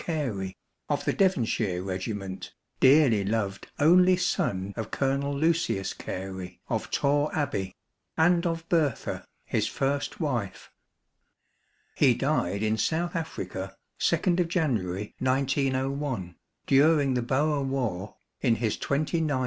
GARY OF THE DEVONSHIRE EEGIMENT, DEARLY LOVED ONLY SON OF COLONEL Lucius GARY, OF TOR ABBEY, AND OF BERTHA, HIS FIRST WIFE ; HE DIED IN SOUTH AFRICA, 2ND JANUARY, 1901, DURING THE BOER WAR, IN HIS 29TH YEAR. R. I.